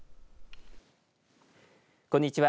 こんにちは。